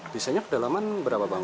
desainnya kedalaman berapa bang